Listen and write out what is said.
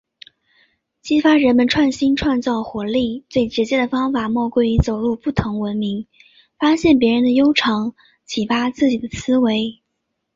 激发人们创新创造活力，最直接的方法莫过于走入不同文明，发现别人的优长，启发自己的思维。